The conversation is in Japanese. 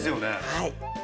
はい。